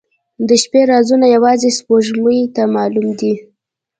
• د شپې رازونه یوازې سپوږمۍ ته معلوم دي.